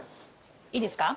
いいですか？